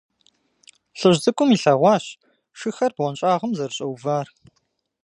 ЛӀыжь цӀыкӀум илъэгъуащ шыхэр бгъуэнщӀагъым зэрыщӀэувар.